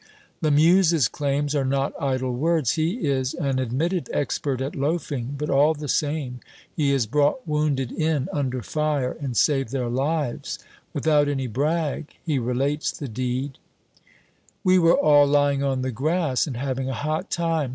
Lamuse's claims are not idle words. He is an admitted expert at loafing, but all the same he has brought wounded in under fire and saved their lives. Without any brag, he relates the deed "We were all lying on the grass, and having a hot time.